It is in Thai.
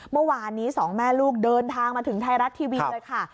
เมื่อวานนี้สองแม่ลูกเดินทางมาถึงไทยรัฐทีวีเลยค่ะ